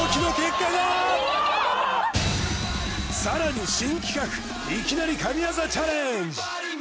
更に新企画いきなり神業チャレンジ